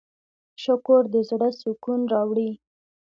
شکر د زړۀ سکون راوړي.